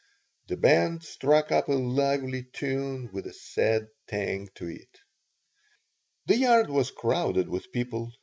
The band struck up a lively tune with a sad tang to it The yard was crowded with people.